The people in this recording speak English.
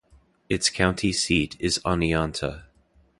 Its county seat is Oneonta.